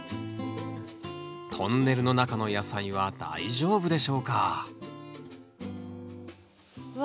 トンネルの中の野菜は大丈夫でしょうかわ！